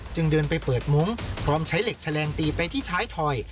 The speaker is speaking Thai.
เดินไปเปิดมุ้งพร้อมใช้เหล็กแฉลงตีไปที่ท้ายถอย